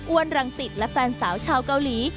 อ้วนรังศิษฐ์และแฟนสาวชาวเกาหลี